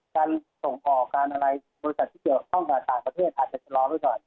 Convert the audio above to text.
การส่งออกการอะไรบริษัทที่เกี่ยวข้องกับต่างประเทศอาจจะชะลอไว้ก่อน